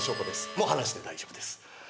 もう離して大丈夫です。